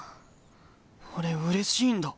俺うれしいんだ